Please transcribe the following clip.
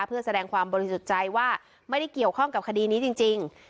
เพื่อแสดงความบริสุทธิ์ใจว่าไม่ได้เกี่ยวข้องกับคดีนี้จริง